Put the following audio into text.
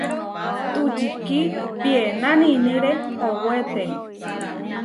Tučikí piená niʼníre owéte.